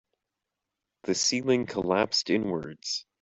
The ceiling collapsed inwards.